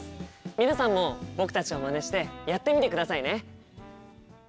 皆さんも僕たちをまねしてやってみてくださいね。